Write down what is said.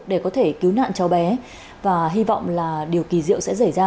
để có thể cứu nạn cho bé